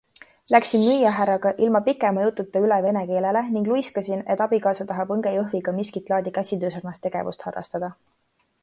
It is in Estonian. Läksin müüjahärraga ilma pikema jututa üle vene keelele ning luiskasin, et abikaasa tahab õngejõhviga miskit laadi käsitöösarnast tegevust harrastada.